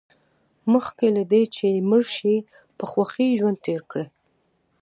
مخکې له دې چې مړ شئ په خوښۍ ژوند تېر کړئ.